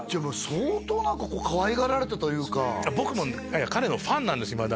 もう相当何かかわいがられたというか僕も彼のファンなんです